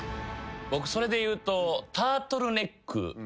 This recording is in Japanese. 僕それで言うと。